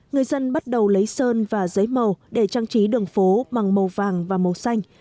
người dân bắt đầu lấy sơn và giấy màu để trang trí đường phố bằng màu vàng và màu xanh